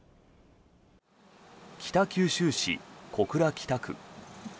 北九州市小倉北区。